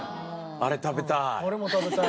あれ食べたい！